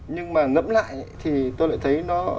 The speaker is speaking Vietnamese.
nhưng mà ngẫm lại thì tôi lại thấy nó